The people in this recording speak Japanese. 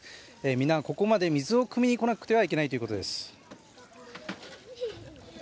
皆ここまで水をくみに来なくてはいけないということです。